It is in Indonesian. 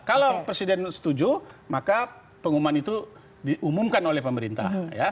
kalau presiden setuju maka pengumuman itu diumumkan oleh pemerintah